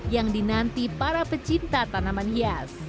yang dinanti para pecinta tanaman hias